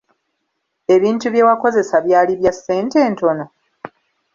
Ebintu bye wakozesa byali bya ssente ntono?